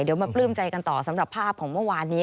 เดี๋ยวมาปลื้มใจกันต่อสำหรับภาพของเมื่อวานนี้